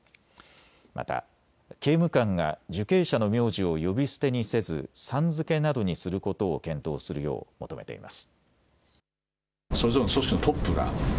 また刑務官が受刑者の名字を呼び捨てにせず、さん付けなどにすることを検討するよう求めています。